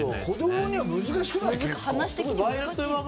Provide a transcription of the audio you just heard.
子供には難しくない？